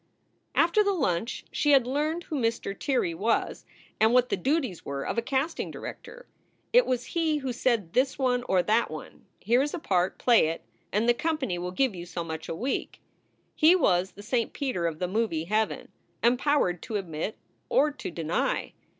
After the lunch she had learned who Mr. Tirrey was and what the duties were of a casting director. It w r as he who said to this one or that one, "Here is a part; play it, and the company will give you so much a week." He was the St. Peter of the movie heaven, empowered to admit or to deny.